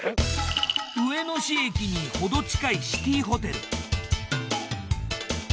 上野市駅にほど近いシティホテル。